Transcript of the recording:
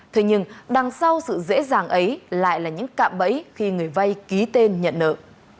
thế nhưng đằng sau sự dễ dàng ấy lại là những cạm bẫy khi người vay ký tên nhận nợ